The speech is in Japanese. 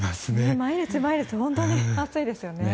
毎日、毎日本当に暑いですよね。